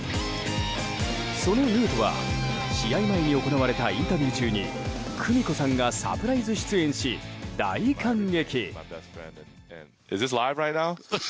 そのヌートバー試合前に行われたインタビュー中に久美子さんがサプライズ出演し大感激。